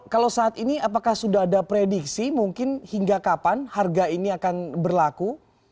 kalau saat ini apakah sudah ada prediksi mungkin hingga kapan harga ini akan berlaku